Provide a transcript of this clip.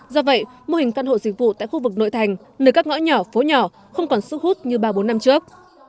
do vậy mô hình căn hộ dịch vụ tại khu vực nội thành nơi các ngõ nhỏ phố nhỏ không còn sức hút như ba bốn năm trước